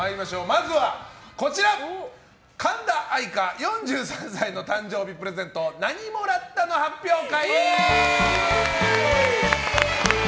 まずは、神田愛花４３歳の誕生日プレゼント何もらったの発表会。